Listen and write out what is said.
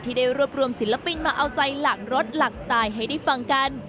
ได้รวบรวมศิลปินมาเอาใจหลังรถหลักสไตล์ให้ได้ฟังกัน